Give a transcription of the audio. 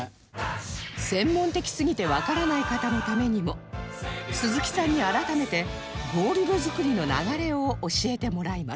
専門的すぎてわからない方のためにも鈴木さんに改めてゴールド作りの流れを教えてもらいます